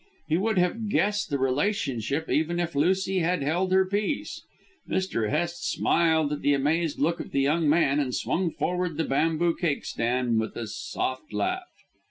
He would have guessed the relationship even if Lucy had held her peace. Mr. Hest smiled at the amazed look of the young man, and swung forward the bamboo cakestand with a soft laugh.